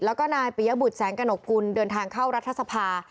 แล้วก็นายปิยบุตรแสงกระหนกกุลเดินทางเข้ารัฐสภา